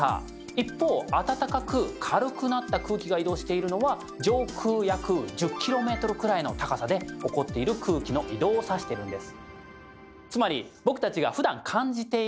一方あたたかく軽くなった空気が移動しているのは上空約１０ｋｍくらいの高さで起こっている空気の移動を指してるんです。